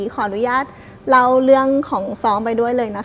ขออนุญาตเล่าเรื่องของซ้อมไปด้วยเลยนะคะ